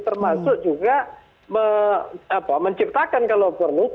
termasuk juga menciptakan kalau perlu